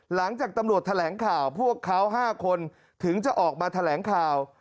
หลังจากตำรวจแถลงข่าวพวกเขา๕คนถึงจะออกมาแถลงข่าว